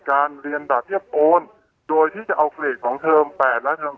การเรียนแบบเทียบโอนโดยที่จะเอาเกรดของเทอม๘ล้านเทอม